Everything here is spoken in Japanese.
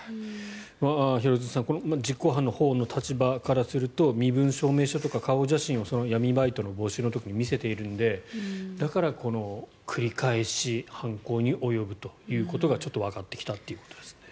廣津留さん実行犯のほうの立場からすると身分証明書とか顔写真闇バイトの募集の時に見せているのでだから、繰り返し犯行に及ぶということがちょっとわかってきたということですね。